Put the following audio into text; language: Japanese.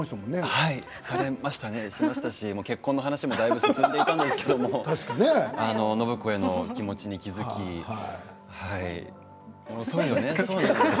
はい、されましたし結婚の話も、だいぶ進んでいたんですけれども暢子への気持ちに気付きはい。